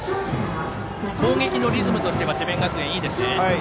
攻撃のリズムとしては智弁学園いいですね。